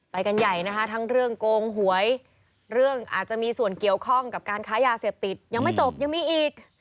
ไปกันใหญ่นะคะทั้งเรื่องโกงหวยเรื่องอาจจะมีส่วนเกี่ยวข้องกับการค้ายาเสพติดยังไม่จบยังมีอีก